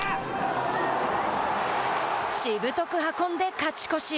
しぶとく運んで、勝ち越し。